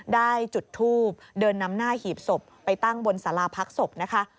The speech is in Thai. ได้จุดทูบเดินนำหน้าหีบศพไปตั้งบนสาราพักศพนะคะ